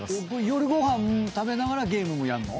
夜ご飯食べながらゲームもやんの？